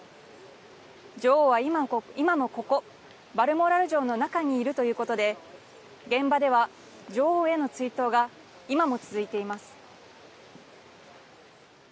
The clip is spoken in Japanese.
女王は、今もここバルモラル城の中にいるということで現場では女王への追悼が今も続いています。